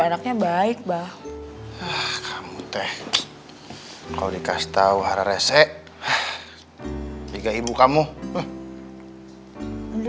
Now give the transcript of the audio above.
anaknya baik bahwa kamu teh kau dikasih tahu hara reseh tiga ibu kamu belum lagi